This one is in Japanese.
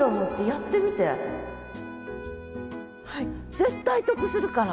絶対得するから！